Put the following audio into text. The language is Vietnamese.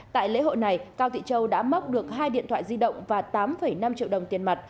tại lễ hội này cao thị châu đã móc được hai điện thoại di động và tám năm triệu đồng tiền mặt